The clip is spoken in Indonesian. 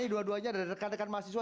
dua duanya dari rekan rekan mahasiswa